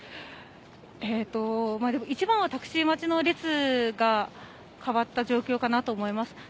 一番はタクシー待ちの列が変わった状況かなと思います。